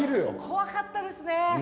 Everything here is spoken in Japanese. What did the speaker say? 怖かったですね！